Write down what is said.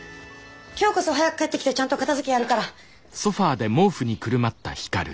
今日こそ早く帰ってきてちゃんと片づけやるから。